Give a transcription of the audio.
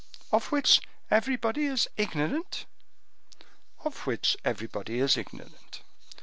"Of which everybody is ignorant?" "Of which everybody is ignorant."